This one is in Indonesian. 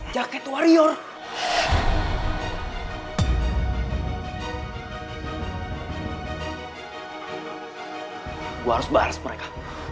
gue harus baras mereka